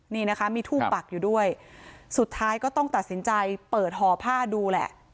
นี่นะคะมีทูบปักอยู่ด้วยสุดท้ายก็ต้องตัดสินใจเปิดห่อผ้าดูแหละ